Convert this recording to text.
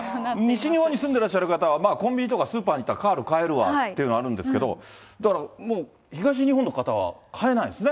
西日本に住んでらっしゃる方は、まあ、コンビニとかスーパーに行ったらカール買えるわっていうのがあるんですけれども、だからもう、東日本の方は買えないですね。